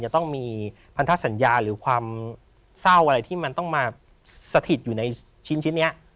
จะต้องมีพันธสัญญาหรือความเศร้าอะไรที่มันต้องมาสถิตอยู่ในชิ้นนี้